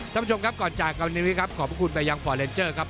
ท่านผู้ชมครับก่อนจากวันนี้ครับขอบพระคุณไปยังฟอร์เลนเจอร์ครับ